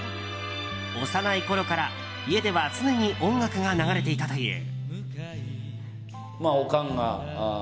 幼いころから、家では常に音楽が流れていたという。